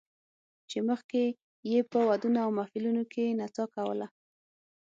چې مخکې یې په ودونو او محفلونو کې نڅا کوله